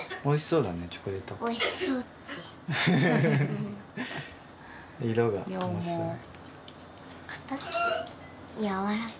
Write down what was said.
おいしそうって。